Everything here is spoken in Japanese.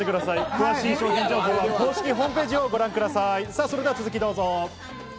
詳しい商品情報は公式ホームページをご覧ください。